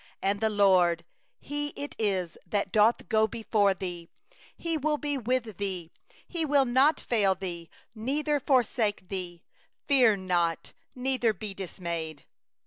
8And the LORD, He it is that doth go before thee; He will be with thee, He will not fail thee, neither forsake thee; fear not, neither be dismayed.